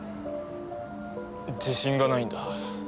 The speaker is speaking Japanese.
自信がないんだ。